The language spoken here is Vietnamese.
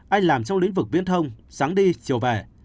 anh làm trong lĩnh vực viễn thông sáng đi chiều vẻ